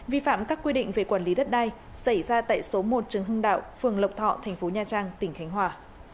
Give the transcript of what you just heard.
vi phạm các quy định về quản lý đất đai xảy ra tại số một trường hưng đạo phường lộc thọ tp nha trang tp khánh hòa